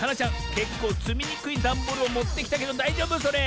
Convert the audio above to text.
けっこうつみにくいダンボールをもってきたけどだいじょうぶそれ？